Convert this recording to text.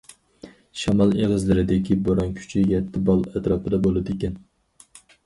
شامال ئېغىزلىرىدىكى بوران كۈچى يەتتە بال ئەتراپىدا بولىدىكەن.